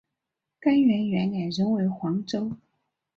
干元元年仍为黄州。